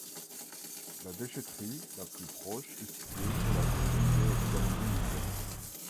La déchèterie la plus proche est située sur la commune de Dordives.